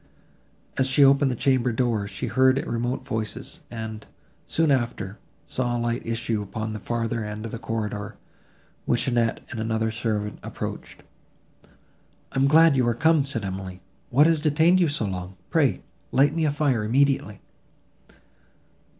As she opened the chamber door, she heard remote voices, and, soon after, saw a light issue upon the further end of the corridor, which Annette and another servant approached. "I am glad you are come," said Emily: "what has detained you so long? Pray light me a fire immediately."